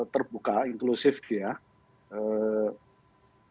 terbuka inklusif ya